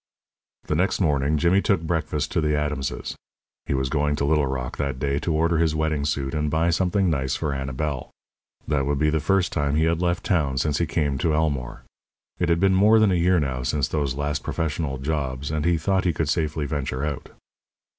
The next morning Jimmy took breakfast at the Adamses. He was going to Little Rock that day to order his wedding suit and buy something nice for Annabel. That would be the first time he had left town since he came to Elmore. It had been more than a year now since those last professional "jobs," and he thought he could safely venture out.